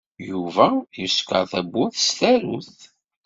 Yuba yeskeṛ tawwurt s tsarut.